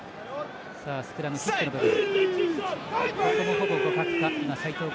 スクラムヒットの部分。